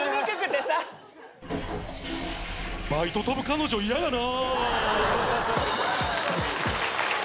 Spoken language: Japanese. ・・バイト飛ぶ彼女嫌やな。